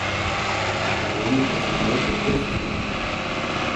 Da soll mich doch sogleich der Blitz treffen!